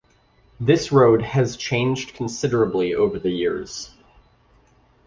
This road has changed considerably over the years.